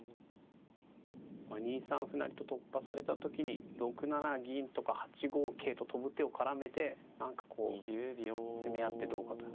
２三歩成と突破された時に６七銀とか８五桂と跳ぶ手を絡めて何かこう攻め合ってどうかと。